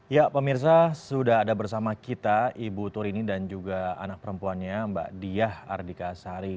ya pemirsa sudah ada bersama kita ibu turini dan juga anak perempuannya mbak diah ardika sari